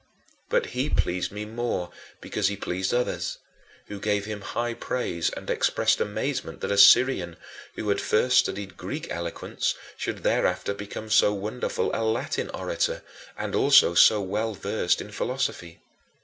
But he pleased me more because he pleased others, who gave him high praise and expressed amazement that a Syrian, who had first studied Greek eloquence, should thereafter become so wonderful a Latin orator and also so well versed in philosophy.